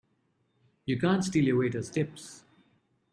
You can't steal your waiters' tips!